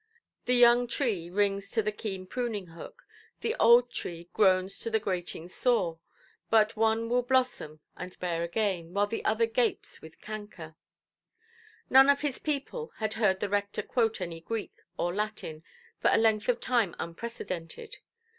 The young tree rings to the keen pruning–hook, the old tree groans to the grating saw; but one will blossom and bear again, while the other gapes with canker. None of his people had heard the rector quote any Greek or Latin for a length of time unprecedented.